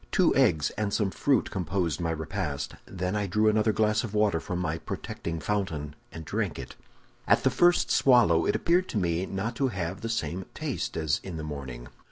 Two eggs and some fruit composed my repast; then I drew another glass of water from my protecting fountain, and drank it. "At the first swallow, it appeared to me not to have the same taste as in the morning.